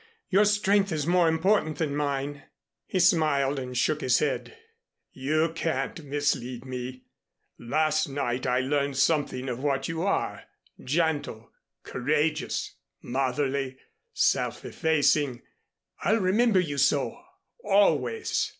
"Your strength is more important than mine " He smiled and shook his head. "You can't mislead me. Last night I learned something of what you are gentle, courageous, motherly, self effacing. I'll remember you so always."